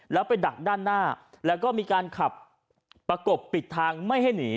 แล้วไปดักด้านหน้าแล้วก็มีการขับประกบปิดทางไม่ให้หนี